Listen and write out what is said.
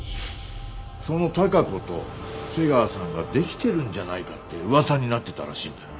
その貴子と瀬川さんがデキてるんじゃないかって噂になってたらしいんだよ。